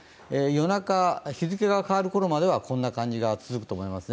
夜中、日付が変わるころまではこんな感じが続くと思います。